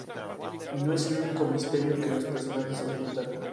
Y no es el único misterio que los personajes ocultan.